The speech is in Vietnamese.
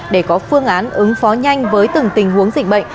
để có phương án ứng phó nhanh với từng tình huống dịch bệnh